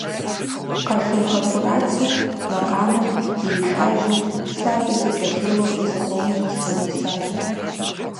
Къашыргъэ КӀурацэ макъамэр иришажьэу, сэ абы сыкӀэлъеуэурэ зыкъомым сригъэсащ.